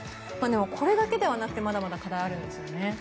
これだけではなくてまだまだ課題はあるんですよね。